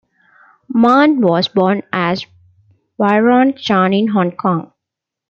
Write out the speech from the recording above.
Mann was born as Byron Chan in Hong Kong.